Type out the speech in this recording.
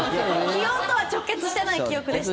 気温とは直結してない記憶でした。